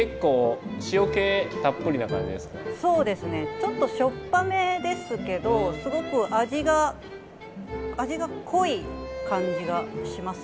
ちょっとしょっぱめですけどすごく味が味が濃い感じがします。